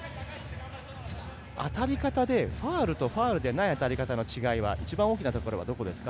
当たり方でファウルとファウルでない当たり方との違いは一番大きなところはどこですか？